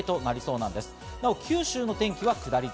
なお九州の天気は下り坂。